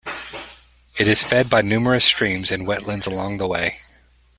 It is fed by numerous streams and wetlands along the way.